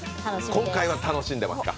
今回は楽しんでますか？